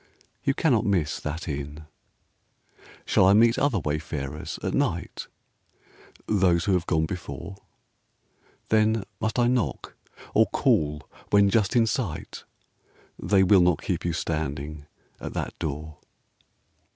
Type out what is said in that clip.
You cannot miss that inn. Shall I meet other wayfarers at night? Those who have gone before. Then must I knock, or call when just in sight? They will not keep you standing at that door.